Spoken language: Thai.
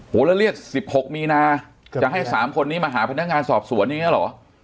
แล้วเรียก๑๖มีนาจะให้๓คนนี้มาหาพนักงานสอบสวนอย่างนี้เหรอ